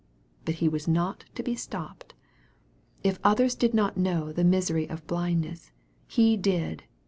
But he was not to be stopped. If others did not know the misery of blindness, he did.